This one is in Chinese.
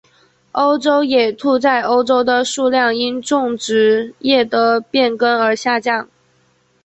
欧洲野兔在欧洲的数量因种植业的变更而下降。